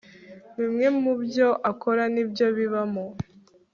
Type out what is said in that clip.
Bimwe mubyo akora nibyo bibamo